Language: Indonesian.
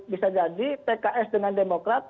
bisa jadi pks dengan demokrat